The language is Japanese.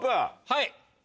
はい。